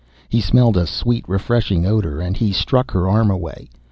He smelled a sweet, refreshing odor and he struck her arm away.